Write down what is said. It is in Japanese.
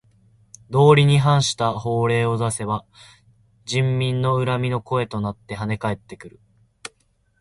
道理に反した法令を出せば人民の恨みの声となってはね返ってくる。